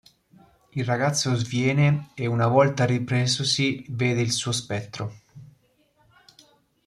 Il ragazzo sviene e, una volta ripresosi, vede il suo spettro.